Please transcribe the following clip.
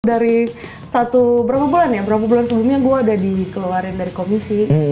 dari satu berapa bulan ya berapa bulan sebelumnya gue udah dikeluarin dari komisi